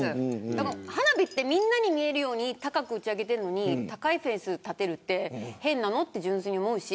花火ってみんなに見えるように高く打ち上げてるのに高いフェンス立てるって変なのって純粋に思うし。